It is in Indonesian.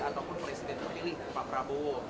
ataupun presiden terpilih pak prabowo